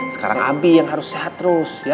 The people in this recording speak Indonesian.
sekarang abi yang harus sehat terus